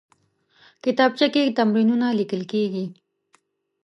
کتابچه کې تمرینونه لیکل کېږي